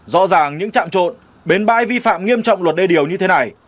rõ ràng những trạm trộn bến bãi vi phạm nghiêm trọng luật đê điều như thế này